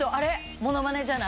モノマネじゃない。